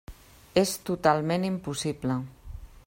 És totalment impossible.